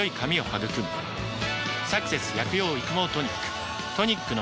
「サクセス薬用育毛トニック」